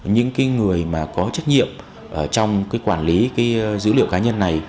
những người có trách nhiệm trong quản lý dữ liệu cá nhân này